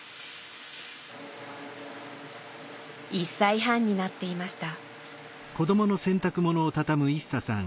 １歳半になっていました。